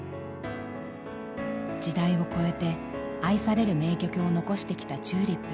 時代を超えて愛される名曲を残してきたＴＵＬＩＰ。